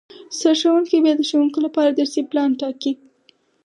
سرښوونکی بیا د ښوونکو لپاره درسي پلان ټاکي